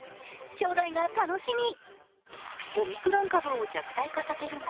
将来が楽しみ。